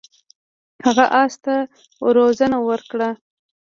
هغه اس ته روزنه ورکړه.